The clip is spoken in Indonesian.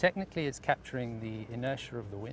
teknisnya itu mengambil inersia udara